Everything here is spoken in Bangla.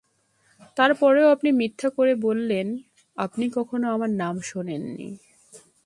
তার পরেও আপনি মিথ্যা করে বললেন, আপনি কখনো আমার নাম শোনেন নি?